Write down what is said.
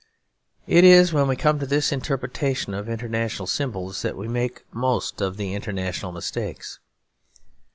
It is when we come to this interpretation of international symbols that we make most of the international mistakes.